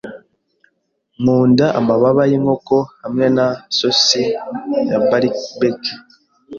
Nkunda amababa yinkoko hamwe na sosi ya barbeque.